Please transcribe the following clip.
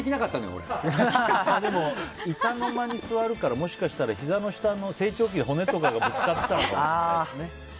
でも板の間に座るからもしかしたらひざの下の成長期の骨とかがぶつかってたのかも。